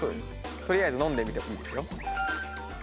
とりあえず飲んでみてもいいですよ。